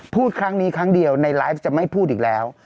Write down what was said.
พูดครั้งนี้ครั้งเดียวในไลฟ์จะไม่พูดอีกแล้ว